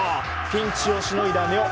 ピンチをしのいだ根尾。